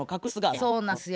そうなんですよ。